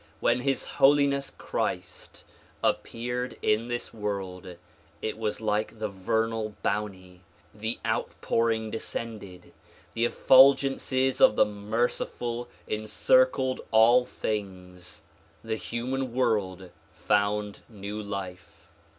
When His Holiness Christ appeared in this world it was like the vernal bounty; the outpouring descended; the effulgences of the Merciful encircled all things ; the human world found new life.